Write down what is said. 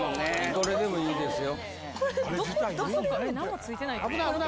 どれでもいいですよ。